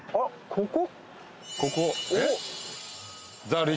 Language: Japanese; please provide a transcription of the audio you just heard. ここ？